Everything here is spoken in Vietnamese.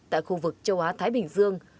tại khu vực châu á thái bình dương